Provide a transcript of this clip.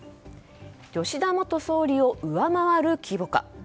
吉田元総理を上回る規模か。